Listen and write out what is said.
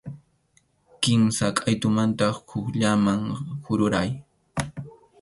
Kimsa qʼaytumanta hukllaman kururay.